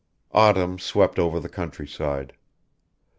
Autumn swept over the countryside.